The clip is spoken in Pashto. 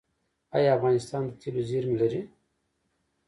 آیا افغانستان د تیلو زیرمې لري؟